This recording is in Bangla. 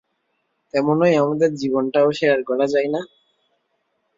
তেমনই, আমাদের জীবনটাও শেয়ার করা যায় না?